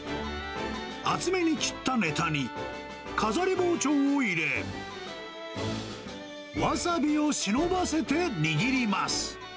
厚めに切ったネタに、かざり包丁を入れ、わさびを忍ばせて握ります。